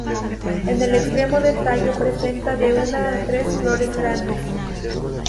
En el extremo del tallo presenta de una a tres flores grandes.